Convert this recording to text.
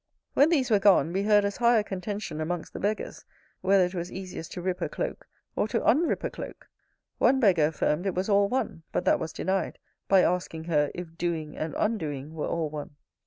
When these were gone, we heard as high a contention amongst the beggars, whether it was easiest to rip a cloak, or to unrip a cloak? One beggar affirmed it was all one: but that was denied, by asking her, If doing and undoing were all one?